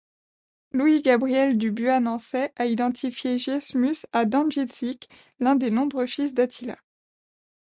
Louis-Gabriel Du Buat-Nançay a identifié Giesmus à Dengitzic, l'un des nombreux fils d'Attila.